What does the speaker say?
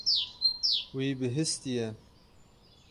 Wî bihîstiye.